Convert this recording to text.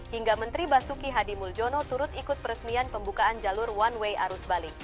hingga menteri basuki hadi muljono turut ikut peresmian pembukaan jalur one way arus balik